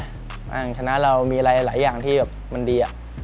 อยากชนะเรามีหลายอย่างที่มันดีอ่ะ